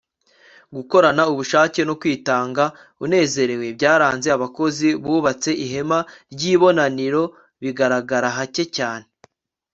gukorana ubushake no kwitanga unezerewe byaranze abakozi bubatse ihema ry'ibonaniro bigaragara hake cyane